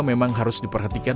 memang harus diperhatikan